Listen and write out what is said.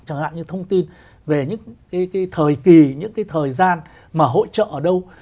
chẳng hạn như thông tin về những cái thời kỳ những cái thời gian mà hỗ trợ ở đâu